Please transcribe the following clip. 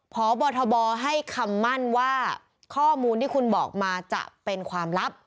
พบทบให้คำมั่นว่าข้อมูลที่คุณบอกมาจะเป็นความลับ